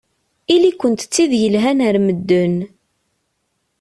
Ili-kent d tid yelhan ar medden.